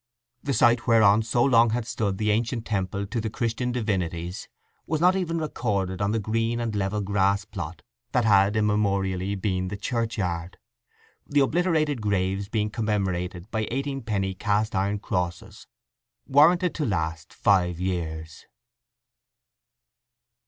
The site whereon so long had stood the ancient temple to the Christian divinities was not even recorded on the green and level grass plot that had immemorially been the churchyard, the obliterated graves being commemorated by eighteen penny cast iron crosses warranted to last five years.